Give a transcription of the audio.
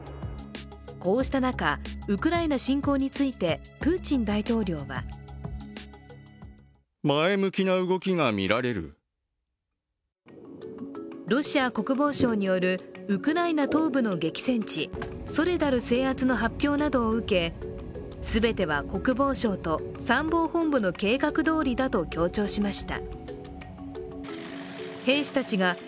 こうした中、ウクライナ侵攻についてプーチン大統領はロシア国防省によるウクライナ東部の激戦地ソレダル制圧の発表などを受け全ては国防省と参謀本部の計画どおりだと強調しました。